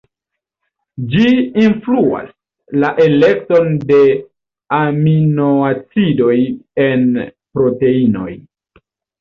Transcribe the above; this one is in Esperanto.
Ĝi influas la elekton de aminoacidoj en proteinoj.